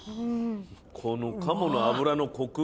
このカモの脂のコク。